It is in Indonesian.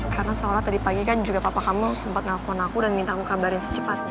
karena seolah tadi pagi kan juga papa kamu sempet nelfon aku dan minta aku kabarin secepatnya